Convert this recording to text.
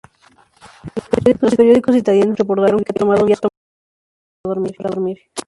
Los periódicos italianos reportaron que Lee había tomado una sobredosis de pastillas para dormir.